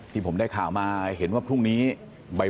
ที่ผมได้ข่าวมาเห็นว่าพรุ่งนี้บ่าย